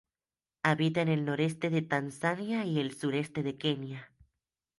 Habita en el noreste de Tanzania y el sureste de Kenya.